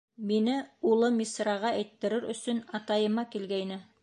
Мине улы Мисраға әйттерер өсөн атайыма килгәйне.